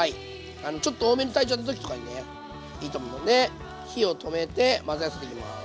ちょっと多めに炊いちゃった時とかにねいいと思うんで火を止めて混ぜ合わせていきます。